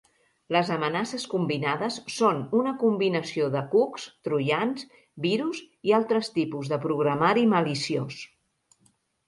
Les amenaces combinades són una combinació de cucs, troians, virus i altres tipus de programari maliciós.